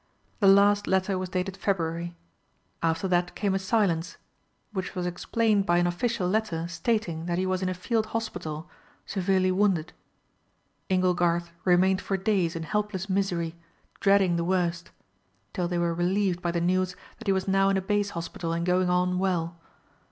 The last letter was dated February. After that came a silence, which was explained by an official letter stating that he was in a field hospital, severely wounded. Inglegarth remained for days in helpless misery, dreading the worst, till they were relieved by the news that he was now in a base hospital and going on well.